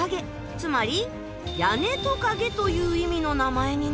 つまり屋根トカゲという意味の名前になるんです。